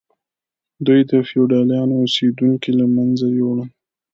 دوی د فیوډالانو اوسیدونکي له منځه یوړل.